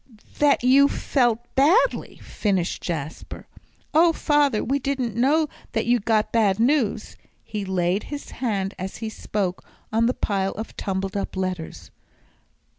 " that you felt badly," finished Jasper. "Oh, father, we didn't know that you'd got bad news." He laid his hand as he spoke on the pile of tumbled up letters.